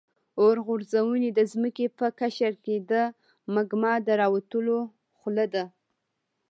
اورغورځونې د ځمکې په قشر کې د مګما د راوتلو خوله ده.